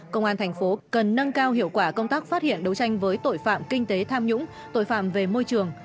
công an thành phố cần nâng cao hiệu quả công tác phát hiện đấu tranh với tội phạm kinh tế tham nhũng tội phạm về môi trường